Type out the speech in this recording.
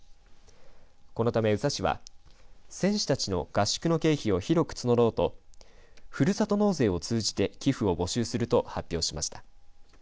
このため、宇佐市は選手たちの合宿の経費を広く募ろうとふるさと納税を通じて寄付を募集すると発表しました。